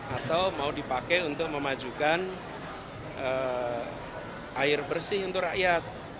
atau mau dipakai untuk memajukan air bersih untuk rakyat